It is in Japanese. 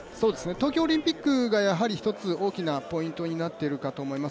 東京オリンピックがやはり一つ大きなポイントになっているかと思います。